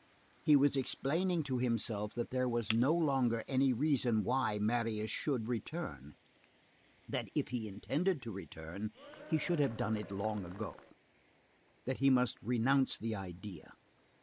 He was explaining to himself that there was no longer any reason why Marius should return, that if he intended to return, he should have done it long ago, that he must renounce the idea.